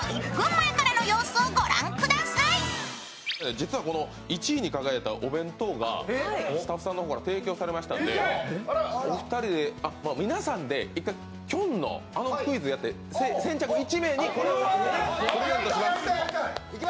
実は１位に輝いたお弁当がスタッフさんの方から提供されましたんでお二人で、皆さんで１回、きょんのあのクイズをやって先着１名にこれをプレゼントします。